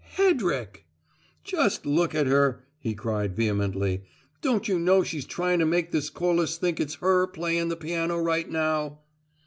"Hedrick!" "Just look at her!" he cried vehemently. "Don't you know she's tryin' to make this Corliss think it's her playin' the piano right now?"